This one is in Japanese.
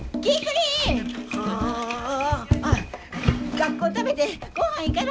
学校食べてごはん行かな！